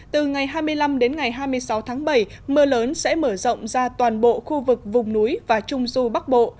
từ ngày hai mươi năm đến ngày hai mươi sáu tháng bảy mưa lớn sẽ mở rộng ra toàn bộ khu vực vùng núi và trung du bắc bộ